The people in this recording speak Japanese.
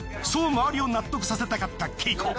そう周りを納得させたかったＫＥＩＫＯ。